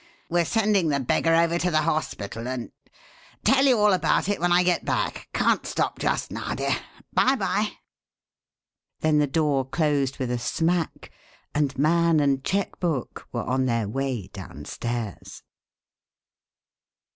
We're sending the beggar over to the hospital and Tell you all about it when I get back. Can't stop just now, dear. Bye, bye!" Then the door closed with a smack, and man and cheque book were on their way downstairs.